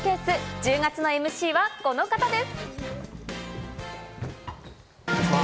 １０月のＭＣはこの方です。